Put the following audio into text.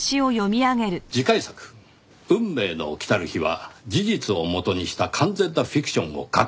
「次回作『運命の来たる日』は事実を元にした完全なフィクションを書く」